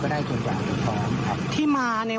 ผมยังอยากรู้ว่าว่ามันไล่ยิงคนทำไมวะ